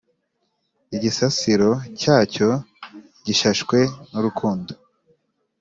Igisasiro cyacyo gishashwe n’urukundo